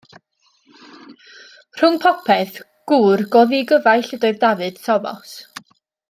Rhwng popeth, gŵr go ddigyfaill ydoedd Dafydd Tomos.